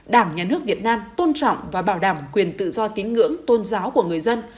đảng nhà nước việt nam tôn trọng và bảo đảm quyền tự do tín ngưỡng tôn giáo của người dân